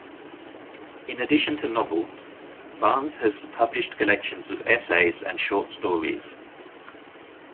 In addition to novels, Barnes has published collections of essays and short stories.